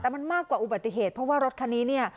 แต่มันมากกว่าอุบัติเหตุเพราะว่ารถร้อนี้